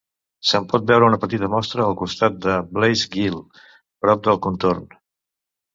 Se'n pot veure una petita mostra al costat de Blease Gill prop del contorn.